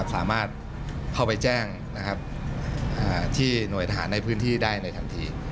สามารถเข้าไปแจ้งที่หน่วยทหารในพื้นที่ได้ในทันที